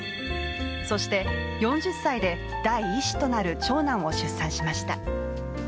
そして４０歳で第１子となる長男を出産しました。